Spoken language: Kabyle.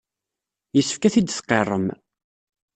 Yessefk ad t-id-tqirrem.